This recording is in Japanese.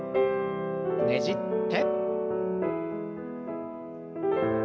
ねじって。